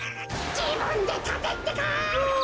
じぶんでたてってか！